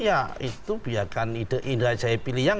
ya itu biarkan ide indra jaya piliang